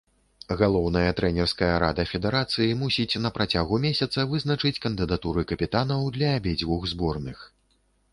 Галоўная трэнерская рада федэрацыі мусіць на працягу месяца вызначыць кандыдатуры капітанаў для абедзвюх зборных.